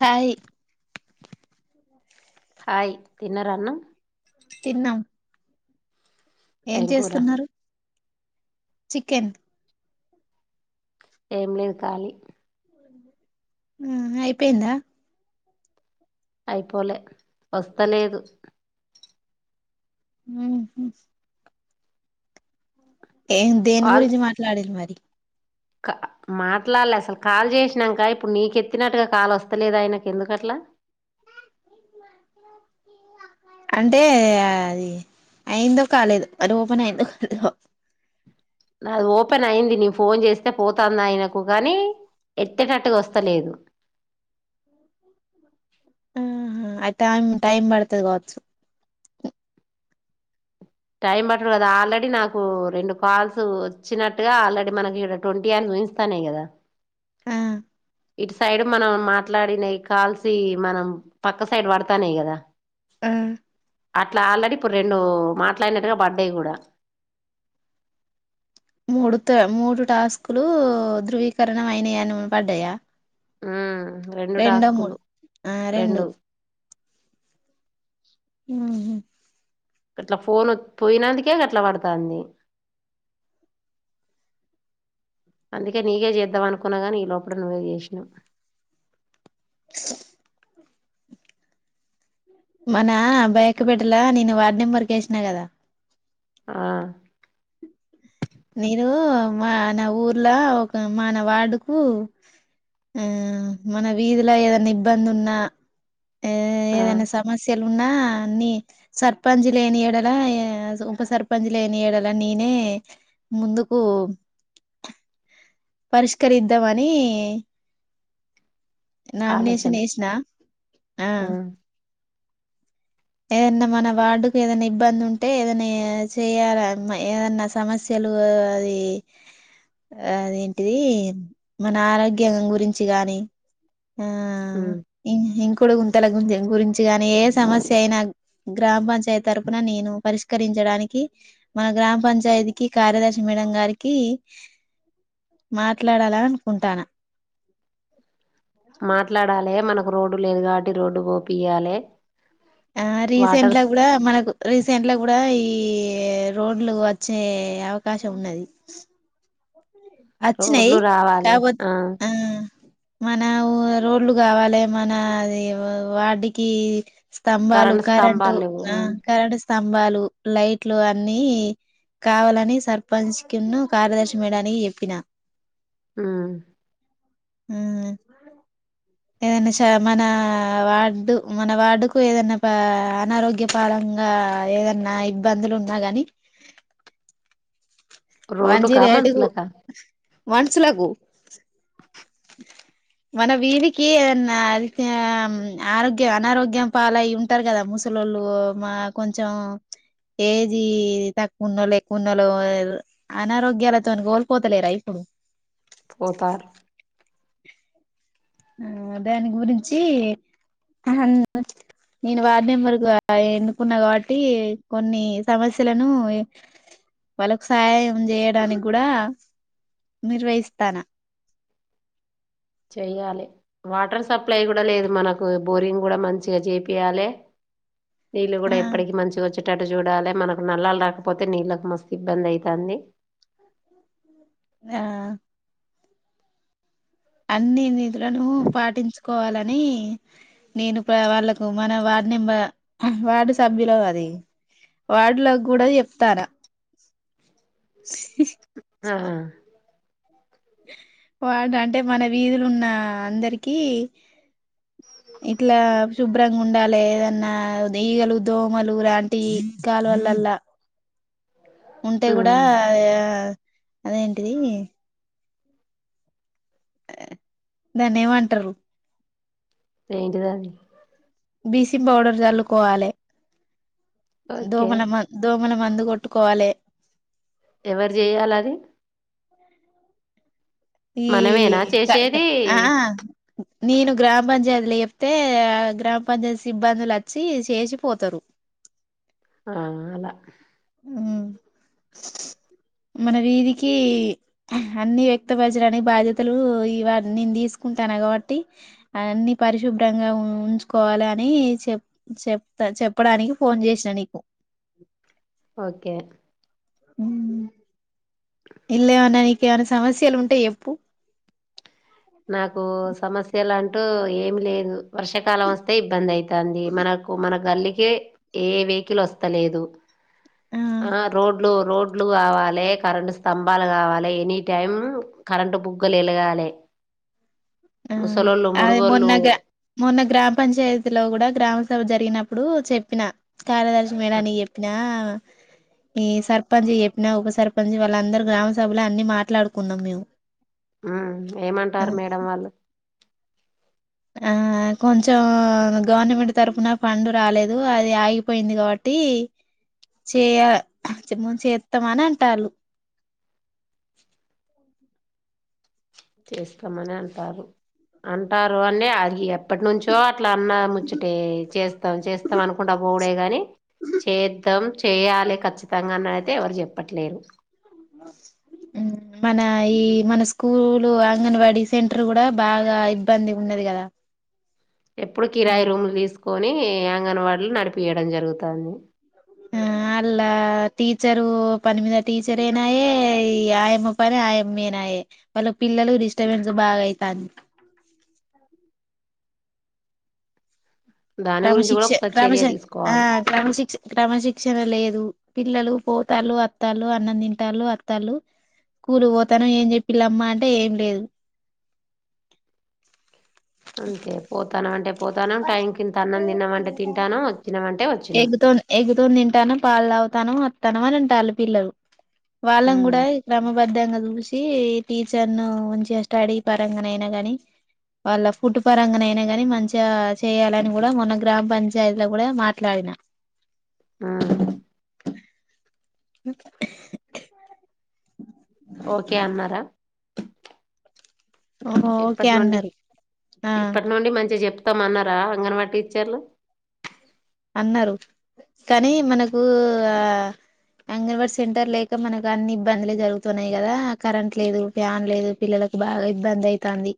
Hi hi తిన్నరాన్నం తిన్నం ఏం చేస్తున్నారు చికెన్ ఏం లేదు కాలి ఆ అయిపోయిందా అయిపోలే వస్తలేదు హ ఏ దేని కాల్ గురించి మాట్లాడేది మరి మాట్లాడలే అసలు కాల్ చేసినాక ఇప్పుడు నీకెత్తినట్టుగా కాల్ వస్తలేద ఆయనకు ఎందుకట్లా అంటే అది అయిందో కాలేదు అది ఓపెన్ అయిందో కాలేదు నా ఓపెన్ అయింది నీ ఫోన్ చేస్తే పోతాంది ఆయనకు కానీ ఎత్తటట్టుగా వస్తలేదు ఆ అ టైమ్ టైం పడుతుది కావచ్చు టైం పట్టడు కదా ఆల్రెడీ నాకు రెండు కాల్స్ వచ్చినట్టుగా ఆల్రెడీ మనకి ఇక్కడ ట్వంటీ అవర్స్ ఊహస్తానే కదా ఆ ఇటు సైడ్ మనం మాట్లాడినయి కాల్సి మనం పక్క సైడ్ పడతానేయి కదా ఆ అట్లా ఆల్రెడీ ఇప్పుడు రెండు మాట అట్లాయినట్టుగా బర్డే కూడా మూడు త మూడు టాస్కులు ధృవీకరణ అయినాయని పడ్డాయా ఆ రెండో మూడు ఆ రెండు ఆ అట్లా ఫోన్ పోయినందుకే అట్లా పడుతుంది అందుకే నీకే చేద్దాం అనుకున్నా కానీ ఈ లోపల నువ్వే చేసినావు మన ఆ బయక్బడలా నను వా [unintelligible] వరకు వేసినా కదా ఆ నను మా నా ఊర్లా ఒక మన వార్డుకు ఆ మన వీధిలో ఏదైనా ఇబ్బంది ఉన్నా ఆ ఏదైనా సమస్య ఉన్నా నీ సర్పంచ్ లేని ఏడల ఉప సర్పంచ్ లేని ఏడల నేనే ముందుకు పరిష్కరిద్దామని నమినషన్ ఆలోచన ఇష్ిన ఆ ఏదన్నా మన వార్డుకు ఏదైనా ఇబ్బంది ఉంటే ఏదైనా చేయాలా ఏదన్నా సమస్యలు అది అది ది మన ఆరోగ్యంగం గురించి గాని ఆ ఉమ్ ఇంకా కొడు గుంతల గు గురించిగాని ఏ సమస్య అయినా గ్రామ పంచాయతీ తరపుున నేను పరిష్కరించడానికి మన గ్రామ పంచాయతీకి కార్యదర్శి మేడం గారికి మాట్లాడాల అనుకుంటాను మాట్లాడాలి మనకు రోడ్డు లేదు కాబట్టి రోడ్డు పోపియ్యాలి ఆ రీసెంట్ లా కూడా మనకు రీసెంట్ గా కూడా ఈ రోడ్లు వచ్చే అవకాశం ఉన్నది అచ్చ న రోడ్లు కా రావాలి బ ఆ మనఊ రోడ్లు కావాలి మనది వాటికి స్తంభాలు కరెంట్ కరెంటు స్తంభాలు లేవు ఆ ఉమ్ కరెంట్ స్తంభాలు లైట్లు అన్ని కావాలని సర్పంచ్ కును కార్యదర్శి మేడానికి జెప్ ప్పిన ఆ ఉమ్ ఏదనా శ మన వార్డు మన వార్డుకు ఏదైనా అనారోగ్య పరంగా ఏదన్నా ఇబ్బందులు ఉన్నా గని వన్ రోడ్డుకా జీరో ఏటు కు మనుషులకా మన్స్లాకు మన వీదికి ఏదన్న తె ఆరోగ్యం అనారోగ్యం పాల అ ఉంటారు కదా ముసలళ్ళు మా కొంచెం ఏజీ తక్కువ ఉన్న ఎక్కువ ఉన్నళ అనారోగ్యాలతో కోల్పోతలేరా ఇప్పుడు పోతారు. ఆ దాని గురించి ఆహా నేను వార్డు నెంబర్గా ఎన్నుకున్నా కాబట్టి కొన్ని సమస్యలను వాళ్ళకు సాయం చేయడానికి గూడా నిర్వహిస్తాను చేయ్యాలి వాటర్ సప్లై గూడా లేదు మనకు బోరింగ్ గూడా మంచిగా జెపియాలె నీలు ఆ గూడా ఎప్పటికి మంచిగొచ్చె ఇటు అటు జూడాలి మనకు నల్లాలు రాకపోతే నీళ్ళలకు మస్తు ఇబ్బంది ఐతంది ఆ అన్ని నిధులను పాటించుకోవాలని నేను ప వాళ్ళకు మన వార్డు నెంబర్ వార్డు సభ్యులు అది వార్డులో కూడా ఎప్తాన ఆ వాడు అంటే మన వీధులు ఉన్న అందరికి ఇట్లా శుభ్రంగా ఉండాలె అదన్నా ఈగల దోమలు లాంటి కాలువల్లా ఉంటే కూడా ఉమ్ అదేంటిది దాన్ని ఏమంటారు ఏంటి దాది బీసిం పౌడర్ జల్లుకోవాలె ఓకే దోమల మం దో మనం మందు కొట్టుకోవాలి ఎవరు జేయాలది ఈ మనమేనా కాద్ కా చేసేది ఆ నేను గ్రామ పంచాయతీలు చెప్తే గ్రామ పంచాయతీ సిబ్బందులు అచ్చి చేసిపోతారు ఆ అలా ఉ మన వీధికి అన్ని వ్యక్తపరచడానికి బాధ్యతలు ఇ నేను తీసుకుంటాను కాబట్టి అన్ని పరిశుభ్రంగా ఉంచుకోవాలి అని చెప్ చెప్తా చెప్పడానికి ఫోన్ చేసినా నీకు ఓకే ఉమ్ ఇల్లేమన్నానికిమైనా సమస్యలు ఉంటె ఎప్పు నాకు సమస్యలు అంటూ ఏం లేదు వర్షాకాలం వస్తే ఇబ్బంది ఐతంది మనకు మన గల్లి ఎ ఏ వెహికల్ ఒస్త లేదు ఆ రోడ్లు రోడ్లు గావాలె కరెంటు స్తంభాలు గావాలె ఎనీ టైం కరెంటు బుగ్గలు ఎలగాలి ఆ ముసలోళ్ళు అది మొన్న ముడుగోళ్ళు గ మొన్న గ్రామ పంచాయతీలో కూడా గ్రామ సభ జర్ తినప్పుడు చెప్పిన కార్యదర్శనం ఆ, అయినని చెప్పినా ఈ సర్పంచ్ చెప్పినా ఉప సర్పంచ్ వాళ్ళందరు గ్రామ సభలో అన్ని మాట్లాడుకున్నాం మేము. ఉ ఆ ఏమంటారు మేడం వాళ్ళు ఆ కొంచెం గవర్నమెంట్ తరఫున ఫండ్ రాలేదు. అది ఆగిపోయింది కాబట్టి చేయ చేస్తామని అంటారు. చేస్తామని అంటారు అంటారు అంటే అది ఎప్పటి నుంచో అట్లా అన్న ముచ్చట చేస్తాం చేస్తాం అనుకుంటా బోడే గాని చేద్దాం చేయ్యాలి ఖచ్చితంగా అని అయితే ఎవరు చెప్పట్లేరు. మన ఈ మన స్కూలు అంగన్వాడీ సెంటర్ కూడా బాగా ఇబ్బంది ఉన్నది కదా. ఎప్పుడు కిరాయి రూములు తీసుకు కొని అంగన్వాడీలు నడిపియడం జరుగుతుంది. ఆ అళ్లా టీచరు పని మీద టీచర్ అయినాయే ఈ ఆయమ్మ పని ఆయమ్మ అయినాయే, వాళ్ళు పిల్లలు డిస్టర్బెన్స్ బాగాయితాంది. దాని గురించి కూడా క్రమశిక్ష ఒకసారి క్రమశ చర్య ఆ తీసుకోవాలి క్రమశిక్ష క్రమశిక్షణ లేదు పిల్లలు పోతారు వత్తాలు అన్నం తింటాలు అత్తళ్ళ స్కూల్ పోతాను ఏం చెప్పిలమ్మా అంటే ఏం లేదు. అంతే పోతాను అంటే పోతాను టైం కింత అన్నం తినమంటే తింటాను వచ్చినామంటే వచ్చిన ఎగ్తో ఎగ్తో ను తింటాను పా అలా అవుతాను అతాను అని అంటారు. పిల్లలు వాళ్ళం ఉమ్ కూడా క్రమబద్ధంగా చూసి టీచర్ ను ఉంచి స్టడీ పరంగానయినా గాని వాళ్ళ ఫుడ్ పరంగా అయినా గాని మంచి చేయాలని కూడా మొన్న గ్రామ పంచాయతీ లో కూడా మట్ లాయినా ఆ ఆ ఓకే అన్నారా ఆ ఓకే ఇప్పటి నుండి అన్నారు ఆ స్తాం అన్నారా అంగన్వాడి టీచర్లు అన్నారు కానీ మనకు ఆ అంగన్వాడి సెంటర్ లేక మనకు అన్ని ఇబ్బందులే జరుగుతున్నాయి. కదా కరెంట్ లేదు ఫ్యాన్ లేదు పిల్లలకు బాగా ఇబ్బంది అయితంది.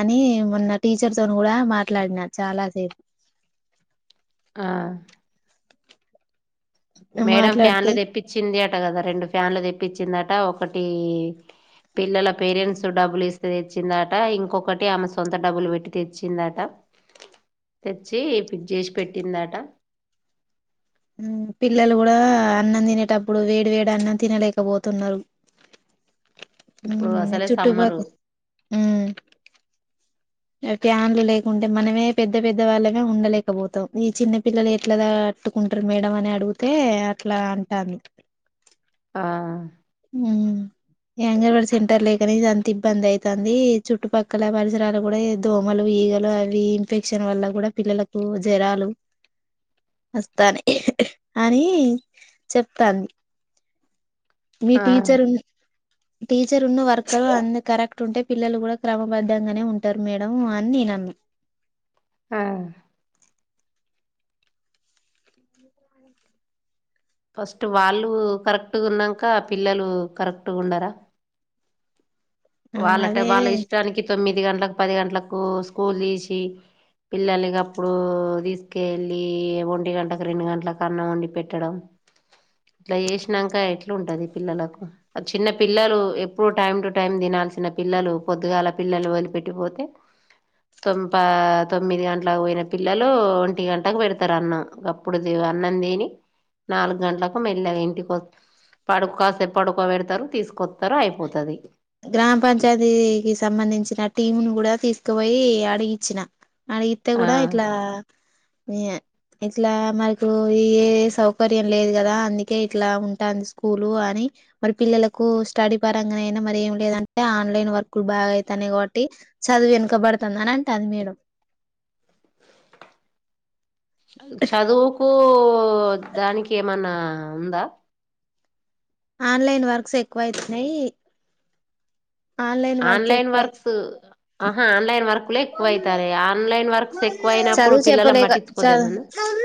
అని మొన్న టీచర్తో కూడా మాట్లాడిన చాలాసేపు. ఆ మేడం మాట్లాడితే ఫ్యాన్లు తెప్పించింది అ కదా రెండు ఫ్యాన్లు తెప్పించిందట. ఒకటి పిల్లల పేరెంట్స్ డబ్బులు ఇస్తే తెచ్చిందట. ఇంకొకటి ఆమె సొంత డబ్బులు పెట్టి తెచ్చిందట. తెచ్చి ఫిక్ చేసి పెట్టిందట. పిల్లలు కూడా అన్నం తినేటప్పుడు వేడి వేడి అన్నం తినలేకపోతున్నారు. ఇప్పుడు ఉమ్ అసలే సమ్మరు చుట్టపక్క ఊ ప్యాన్లు లేకుంటే మనమే పెద్ద పెద్ద వాళ్ళమే ఉండలేకపోతాం. ఈ చిన్న పిల్లలు ఎట్ల త ట్టుకుంటారు మేడం అని అడిగితే అట్లా అంటాంది. ఆ యాంగర్ బడ్ సెంటర్ లేకనే ఇది అంత ఇబ్బంది అవుతుంది చుట్టుపక్కల పరిసరాలు కూడా దోమలు, ఈగలు అవి ఇన్ఫెక్షన్ వల్ల కూడా పిల్లలకు జరాలు వస్తాను అని చెప్తాంది. మీ ఆ టీచర్ టీచర్ ఉన్న వర్కఅన్నీ కరెక్ట్ ఉంటే పిల్లలు కూడా క్రమబద్ధంగానే ఉంటారు మేడం అని నేన అన్నా ఆ ఫస్ట్ వాళ్ళు కరెక్ట్ గున్నాక పిల్లలు కరెక్ట్గా ఉన్నారా అన్నా వాళ్ళంటే అదే వాళ్ళ ఇష్టానికి తొమ్మిది గంటలకు పది గంటలకు స్కూల్ తీసి పిల్లల అప్పుడు తీసుక వెళ్ళి ఒంటి గంటలకు రెండు గంట అన్న వండి పెట్టడం ఇట్లా చేసినక ఎట్లాంటది పిల్లలకు చిన్న పిల్లలు ఎప్పుడు టైమ్ టు టైమ్ తినల్సిన పిల్లలు పొద్దుగాల పిల్లలు వదిలిపెట్టిపోతే తొం తొమ్మిది గంటలకు పోయిన పిల్లలు ఒంటి గంటకు పెడతారు అన్నం అప్పుడు అన్నం తిని నాలుగు గంటలకు మెల్లిగా ఇంటికిస్త పడు కాస్తేపు పడుకోబెడతారు తీసుకొస్తారు అయిపోతుంది గ్రామ పంచాయతీకి సంబంధించిన టీంను కూడా తీసుకుపోయి అడిగిచ్చిన అడిగితే ఆ కూడా ఇట్లా ఇట్లా మనకు ఏ సౌకర్యం లేదు కదా అందుకే ఇట్లా ఉంటుంది స్కూలు అని మరి పిల్లలకు స్టడీ పరంగానయినా మరి ఏం లేదంటే ఆన్లైన్ వర్కులు బాగా అయితాయి కాబట్టి చదువు వెనుకబడుతుంది అని అంటాంది మేడం చదువుకు ఇ దానికి ఏమన్నా ఉందా ఆన్లైన్ వర్క్స్ ఎక్కువ అవుతున్నాయి ఆన్లైన్ అయి వర్క్స్ ఆహా ఆన్లైన్ వర్క్లే ఎక్కువ అవుతారు ఆన్లైన్ వర్క్స్ ఎక్కువ అయినప్పుడు చదువు పిల్లలు చెప్పలేక చదు పట్టించుకోదామన్న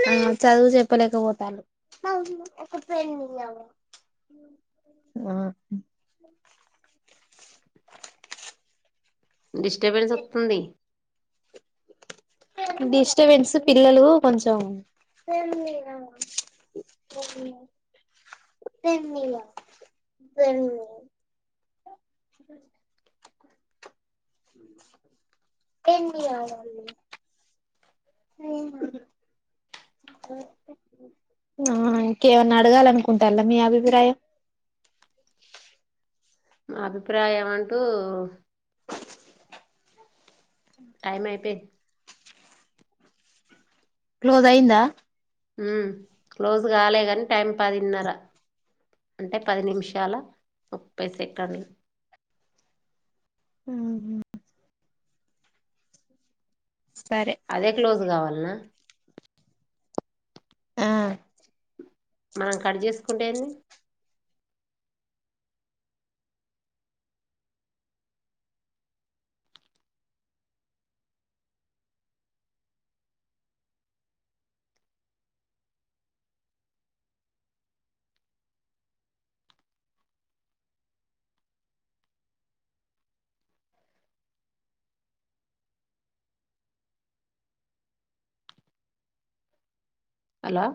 ఆ చదువు చెప్పలేకపోతాండ్రు ఆ డిస్టర్బెన్స్ వస్తుంది డిస్టబెన్స్ పిల్లలు కొంచం ఆ ఇంకేమన్నా అడగాలనుకుంటలా మీ అభిప్రాయం మా అభిప్రాయం ఏమంటూ టైమయిపోయింది క్లోజ్ అయందా మ్ క్లోజ్ కాలే కానీ టైం పదిన్నర అంటే పది నిమిషాలు ముప్పై సెకండ్ సరే సరే అదే క్లోజ్ కావాలి ఆ ఆ మనం కట్ చేసుకుంటే ఏంది హలో